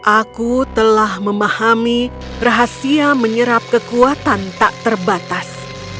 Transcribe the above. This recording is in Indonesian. aku telah memahami rahasia menyerap kekuatan tak terbatas